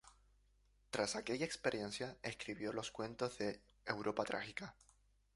Tras aquella experiencia escribió los cuentos de "Europa trágica".